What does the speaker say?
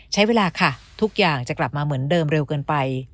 ใช้เวลาค่ะทุกอย่างจะกลับมาเหมือนเดิมเร็วเกินไป